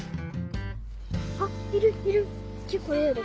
あっいるいる！